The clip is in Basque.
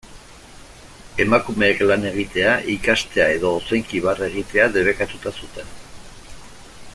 Emakumeek lan egitea, ikastea edo ozenki barre egitea debekatuta zuten.